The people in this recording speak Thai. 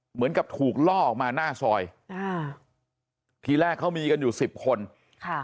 เหมือนกับถูกล่อออกมาหน้าซอยอ่าทีแรกเขามีกันอยู่สิบคนค่ะ